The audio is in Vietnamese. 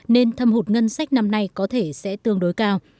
nên thâm hụt ngân sách năm nay có thể sẽ tương đối cao